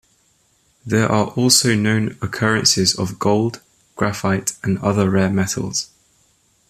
There are also known occurrences of gold, graphite, and other rare metals.